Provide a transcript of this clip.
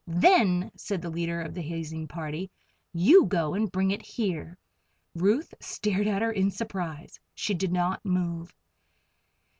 "Then," said the leader of the hazing party, "you go and bring it here." Ruth stared at her in surprise. She did not move.